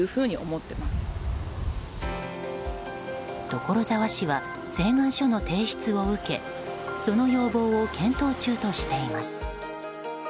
所沢市は請願書の提出を受けその要望を検討中としています。